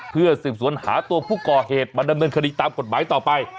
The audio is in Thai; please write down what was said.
เพื่อสืบสวนหาตัวผู้ก่อเหตุมาดำเนินคดีตามกฎหมายต่อไป